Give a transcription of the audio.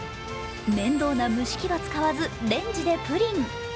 面倒な蒸し器は使わずレンジでプリン。